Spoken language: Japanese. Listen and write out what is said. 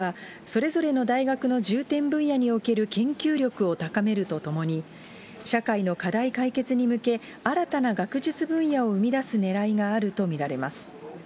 統合に向けた構想では、それぞれの大学の重点分野における研究力を高めるとともに、社会の課題解決に向け、新たな学術分野を生み出すねらいがあると見られます。